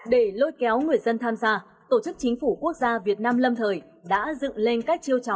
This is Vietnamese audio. để lôi kéo người dân tham gia tổ chức chính phủ quốc gia việt nam lâm thời đã dựng lên các chiêu trò